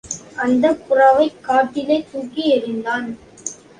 அந்தப் புறாவைக் காற்றிலே தூக்கி எறிந்தான்.